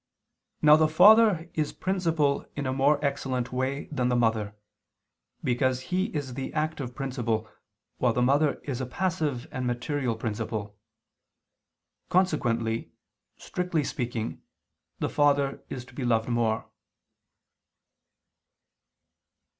Now the father is principle in a more excellent way than the mother, because he is the active principle, while the mother is a passive and material principle. Consequently, strictly speaking, the father is to be loved more.